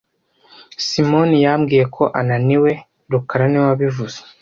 Simoni yambwiye ko ananiwe rukara niwe wabivuze